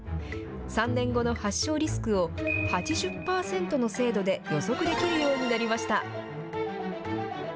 ３年後の発症リスクを、８０％の精度で予測できるようになりました。